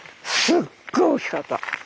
すっごい大きかった。